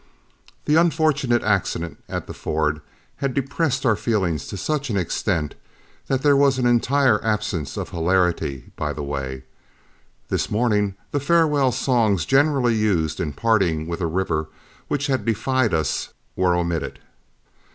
The unfortunate accident at the ford had depressed our feelings to such an extent that there was an entire absence of hilarity by the way. This morning the farewell songs generally used in parting with a river which had defied us were omitted.